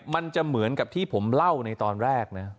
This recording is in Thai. มันจะเหมือนกับที่ผมเล่าในตอนแรกนะ